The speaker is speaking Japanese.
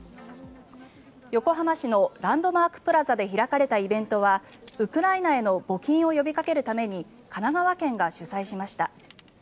横浜市のランドマークプラザで開かれたイベントはウクライナへの募金を呼びかけるために神奈川県が主催しました。